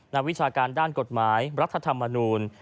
วิชาการด้านกฎหมายรัฐธรรมนูล